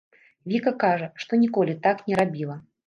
Віка кажа, што ніколі так не рабіла.